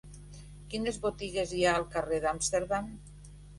Quines botigues hi ha al carrer d'Amsterdam?